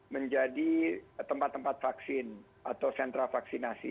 menjadi tempat tempat vaksin atau sentra vaksinasi